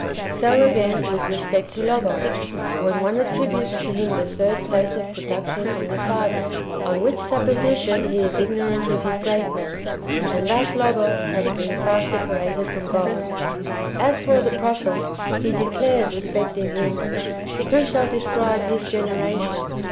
So, again, with respect to Logos, when one attributes to him the third ^ place of production from the Father ; on which supposition he is ignorant of His greatness ; and thus Logos has been far separated from God. As for the prophet, he declares respecting Him, " Who shall describe His genera tion?"